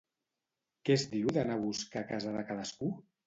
Què es diu d'anar a buscar a casa de cadascú?